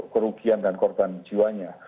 kerugian dan korban jiwanya